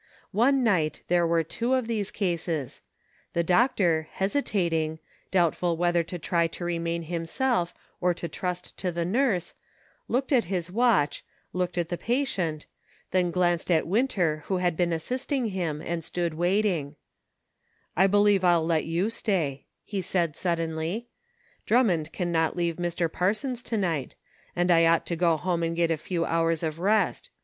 One night there were two of these cases ; the doctor, hesitat ing, doubtful whether to try to remain himself, or to trust to the nurse, looked at his watch, looked at the patient, then glanced at Winter who had been assisting him and stood waiting :" I believe I'll let you stay," he said suddenly ;" Drummond can not leave Mr. Parsons to night, and I ought to go home and get a few hours of rest.